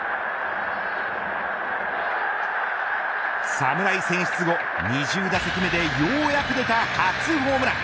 侍選出後、２０打席目でようやく出た、初ホームラン。